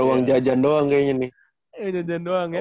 bayar uang jajan doang kayaknya nih